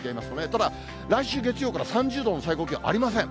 ただ来週月曜から、３０度の最高気温ありません。